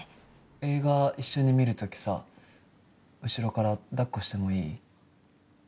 映画一緒に見る時さ後ろから抱っこしてもいい？